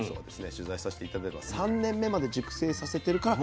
取材させて頂いたのは３年目まで熟成させてるから。